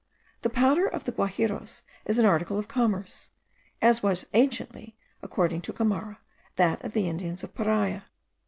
The powder of the Guajiros is an article of commerce, as was anciently, according to Gomara, that of the Indians of Paria.